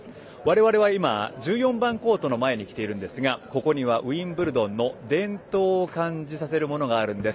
我々は今、１４番コートの前に来ているんですがここにはウィンブルドンの伝統を感じさせるものがあるんです。